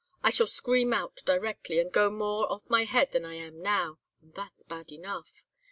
I shall scream out directly, and go more off my head than I am now, and that's bad enough.